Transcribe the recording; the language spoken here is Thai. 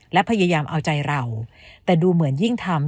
และพยายามเอาใจเราแต่ดูเหมือนยิ่งทำ